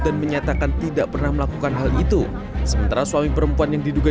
dan menyatakan tidak pernah melakukan hal itu sementara suami perempuan yang diduga